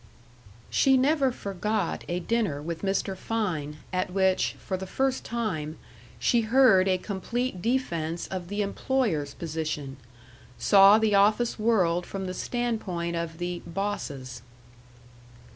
§ 2 She never forgot a dinner with Mr. Fein, at which, for the first time, she heard a complete defense of the employer's position saw the office world from the stand point of the "bosses."